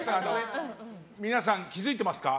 皆さん、気づいてますか？